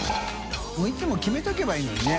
發いつも決めておけばいいのにね。